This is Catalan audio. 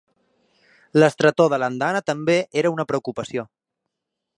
L'estretor de l'andana també era una preocupació.